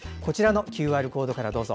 ＱＲコードからどうぞ。